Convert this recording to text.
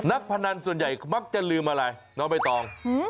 พนันส่วนใหญ่มักจะลืมอะไรน้องใบตอง